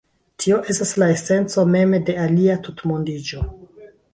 Tio estas la esenco mem de alia tutmondiĝo.